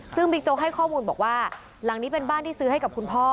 ซึ่งบิ๊กโจ๊กให้ข้อมูลบอกว่าหลังนี้เป็นบ้านที่ซื้อให้กับคุณพ่อ